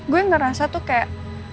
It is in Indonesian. gue ngerasa tuh kayak